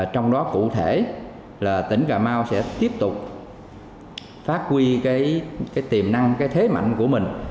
trong đó cụ thể là tỉnh cà mau sẽ tiếp tục phát huy tiềm năng thế mạnh của mình